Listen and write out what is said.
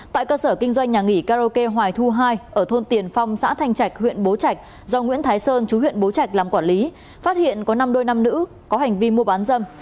tại cơ sở kinh doanh nhà nghỉ karaoke hoài thu hai ở thôn tiền phong xã thanh trạch huyện bố trạch do nguyễn thái sơn chú huyện bố trạch làm quản lý phát hiện có năm đôi nam nữ có hành vi mua bán dâm